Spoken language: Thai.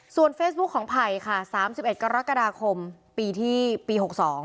ส่วนเฟซบุ๊คของไผ่ค่ะ๓๑กรกฎาคมปีที่ปี๖๒